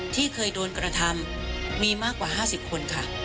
ที่เคยโดนกระทำมีมากกว่า๕๐คนค่ะ